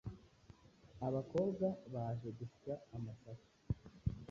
abakobwa baje gusya amasaka